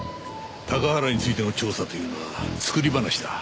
高原についての調査というのは作り話だ。